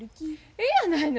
ええやないの。